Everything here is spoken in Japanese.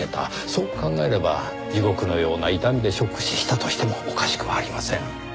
そう考えれば地獄のような痛みでショック死したとしてもおかしくはありません。